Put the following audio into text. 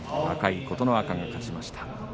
若い琴ノ若が勝ちました。